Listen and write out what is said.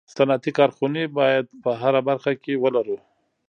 صنعتي کارخوني باید په هره برخه کي ولرو